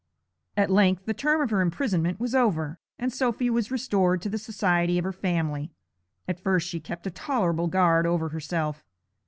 At length the term of her imprisonment was over, and Sophy was restored to the society of her family. At first she kept a tolerable guard over herself.